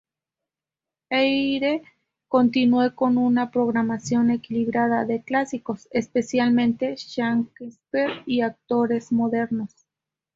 Eyre continuó con una programación equilibrada de clásicos --especialmente Shakespeare-- y autores modernos.